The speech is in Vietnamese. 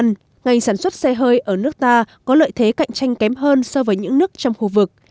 tuy nhiên ngành sản xuất xe hơi ở nước ta có lợi thế cạnh tranh kém hơn so với những nước trong khu vực